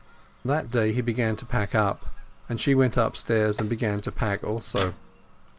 That day he began to pack up, and she went upstairs and began to pack also.